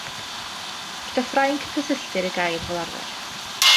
Gyda Ffrainc y cysylltir y gair fel arfer.